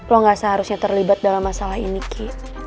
lo gak seharusnya terlibat dalam masalah ini ki